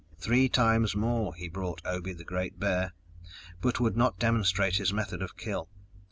Three times more he brought Obe the Great Bear, but would not demonstrate his method of kill.